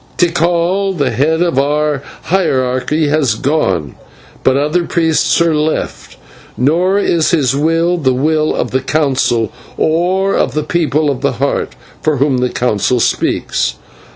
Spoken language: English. Tikal, the head of our hierarchy, has gone, but other priests are left, nor is his will the will of the Council, or of the People of the Heart for whom the Council speaks.